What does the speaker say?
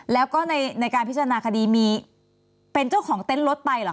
แล้วก็ในการพิจารณาคดีมีเป็นเจ้าของเต็นต์รถไปเหรอค